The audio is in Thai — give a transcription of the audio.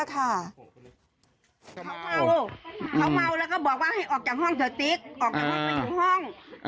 เขาเมาเขาเมาแล้วก็บอกว่าให้ออกจากห้องเถอะติ๊กออกจากห้องไปถึงห้อง